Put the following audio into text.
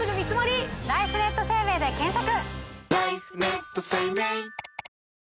ライフネット生命で検索！